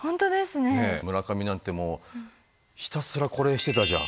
ねっ村上なんてもうひたすらこれしてたじゃん。